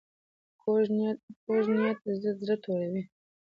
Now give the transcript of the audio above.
کوږ نیت زړه توروي